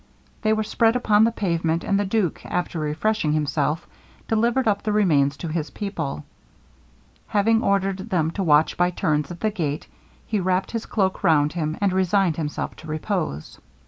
They were spread upon the pavement; and the duke, after refreshing himself, delivered up the remains to his people. Having ordered them to watch by turns at the gate, he wrapt his cloak round him, and resigned himself to repose.